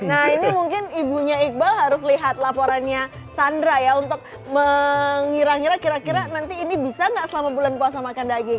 nah ini mungkin ibunya iqbal harus lihat laporannya sandra ya untuk mengira ngira kira kira nanti ini bisa nggak selama bulan puasa makan daging